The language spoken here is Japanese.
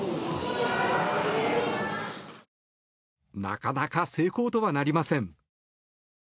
なかなか成功とはなりません。